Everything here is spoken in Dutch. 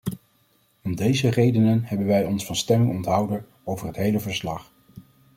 Om deze redenen hebben wij ons van stemming onthouden over het hele verslag.